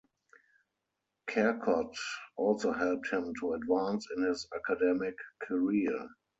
Charcot also helped him to advance in his academic career.